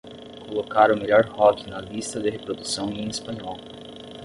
colocar o melhor rock na lista de reprodução em espanhol